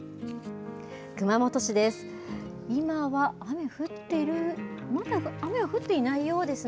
熊本市です。